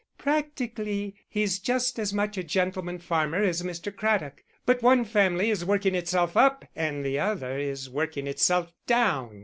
Practically he's just as much a gentleman farmer as Mr. Craddock; but one family is working itself up and the other is working itself down.